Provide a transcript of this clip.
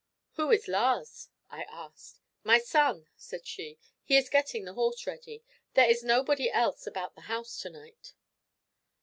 "Who is Lars?" I asked. "My son," said she. "He is getting the horse ready. There is nobody else about the house to night."